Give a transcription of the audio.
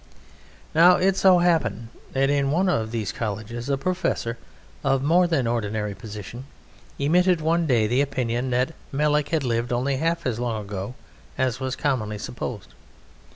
Now it so happened that in one of these colleges a professor of more than ordinary position emitted one day the opinion that Melek had lived only half as long ago as was commonly supposed.